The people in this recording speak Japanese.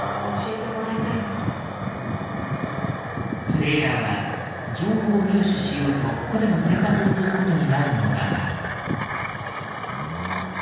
プレイヤーは情報を入手しようとここでも選択をすることになるのだが。